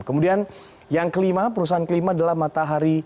kemudian yang kelima perusahaan kelima adalah matahari